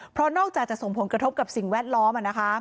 เพราะนอกจากจะส่งผลกระทบกับสิ่งแวดล้อม